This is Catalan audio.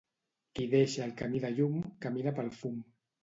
Qui deixa el camí de llum, camina pel fum.